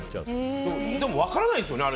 でも分からないですよね。